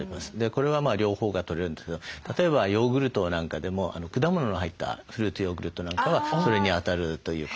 これは両方がとれるんですけど例えばヨーグルトなんかでも果物の入ったフルーツヨーグルトなんかはそれにあたるということが言われてます。